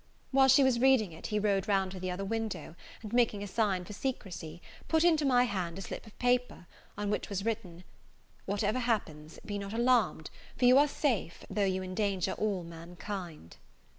While she was reading it, he rode round to the other window, and making a sign for secrecy, put into my hand a slip of paper, on which was written, "Whatever happens, be not alarmed for you are safe though you endanger all mankind!"